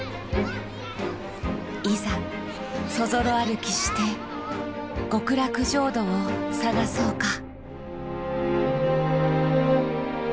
いざそぞろ歩きして極楽浄土を探そうか。